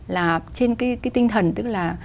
là trên cái tinh thần tức là